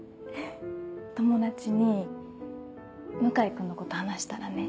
友達に向井君のこと話したらね。